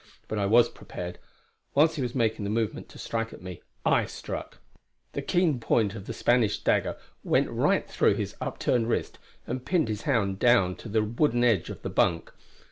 But I was prepared; whilst he was making the movement to strike at me, I struck. The keen point of the Spanish dagger went right through the upturned wrist, and pinned his hand down to the wooden edge of the bunk.